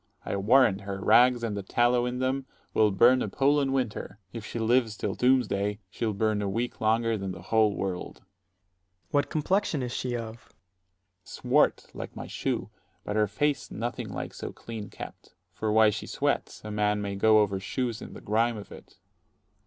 I warrant, her rags, and the tallow in them, will burn a Poland winter: if she lives till doomsday, she'll burn a week longer than the whole world. Ant. S. What complexion is she of? 100 Dro. S. Swart, like my shoe, but her face nothing like so clean kept: for why she sweats; a man may go over shoes in the grime of it. _Ant.